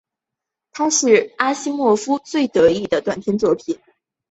它是阿西莫夫最得意的短篇作品。